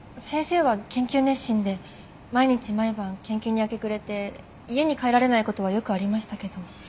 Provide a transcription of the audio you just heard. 先生は研究熱心で毎日毎晩研究に明け暮れて家に帰られない事はよくありましたけど。